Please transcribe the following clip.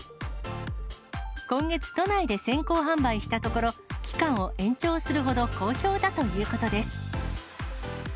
今月、都内で先行販売したところ、期間を延長するほど好評だということです。